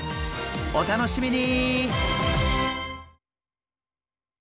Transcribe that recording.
お楽しみに！